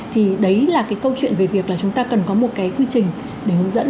thì đấy là cái câu chuyện về việc là chúng ta cần có một cái quy trình để hướng dẫn